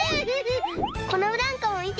このブランコもみて！